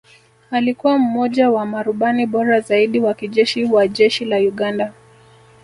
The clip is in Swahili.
Alikuwa mmoja wa marubani bora zaidi wa kijeshi wa Jeshi la Uganda